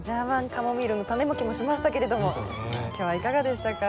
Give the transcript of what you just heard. カモミールのタネまきもしましたけれども今日はいかがでしたか？